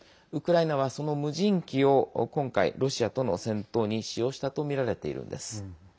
ウクライナは、その無人機を今回、ロシアとの戦闘に使用したとみられているのです。